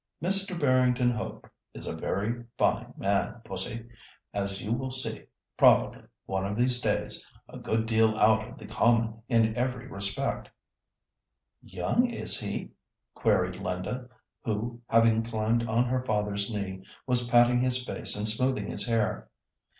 "Mr. Barrington Hope is a very fine man, pussy, as you will see probably, one of these days—a good deal out of the common in every respect." "Young, is he?" queried Linda, who, having climbed on her father's knee, was patting his face and smoothing his hair.